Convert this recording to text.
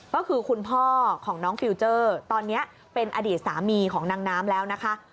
ก็คือคุณพ่อของน้องฟิลเจอร์ตอนนี้เป็นอดีตสามีของนางน้ำแล้วนะคะ